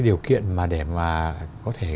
điều kiện mà để mà có thể